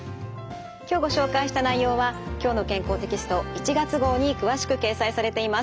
今日ご紹介した内容は「きょうの健康」テキスト１月号に詳しく掲載されています。